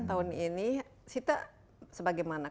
tahun ini sita sebagaimana